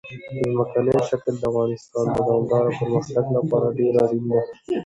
ځمکنی شکل د افغانستان د دوامداره پرمختګ لپاره ډېر اړین دي.